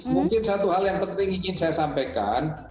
mungkin satu hal yang penting ingin saya sampaikan